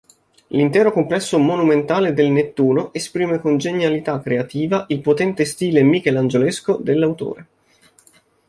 L'intero complesso monumentale del Nettuno esprime con genialità creativa il potente stile michelangiolesco dell'autore.